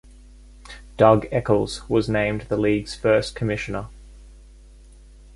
Doug Echols was named the league's first Commissioner.